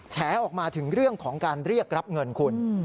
แฉออกมาถึงเรื่องของการเรียกรับเงินคุณ